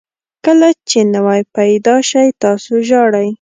کله چې نوی پیدا شئ تاسو ژاړئ.